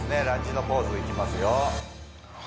ランジのポーズいきますよ